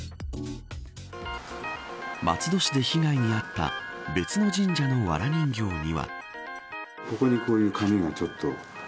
松戸市で被害に遭った別の神社のわら人形には。